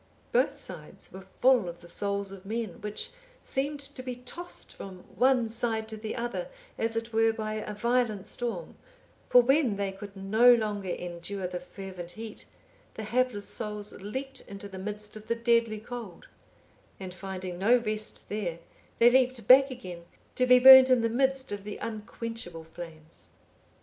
Both sides were full of the souls of men which seemed to be tossed from one side to the other as it were by a violent storm; for when they could no longer endure the fervent heat, the hapless souls leaped into the midst of the deadly cold; and finding no rest there, they leaped back again to be burnt in the midst of the unquenchable flames.